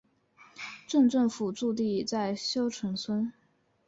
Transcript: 镇政府驻地在筱埕村。